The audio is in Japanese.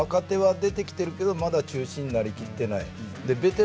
ドイツって若手は出てきてるけどまだ中心になりきってない。